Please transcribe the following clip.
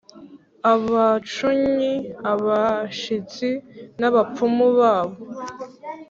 abacunnyi, abashitsi n’abapfumu babo.